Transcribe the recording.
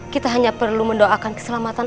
kita hanya perlu mendoakan keselamatan